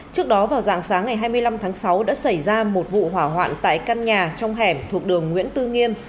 trước đó vào dạng sáng ngày hai mươi năm tháng sáu đã xảy ra một vụ hỏa hoạn tại căn nhà trong hẻm thuộc đường nguyễn tư nghiêm